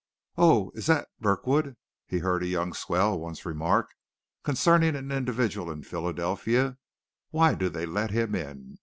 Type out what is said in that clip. "Oh, is that Birkwood," he heard a young swell once remark, concerning an individual in Philadelphia. "Why do they let him in?